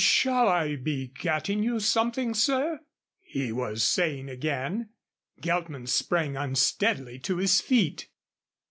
"Shall I be getting you something, sir?" he was saying again. Geltman sprang unsteadily to his feet.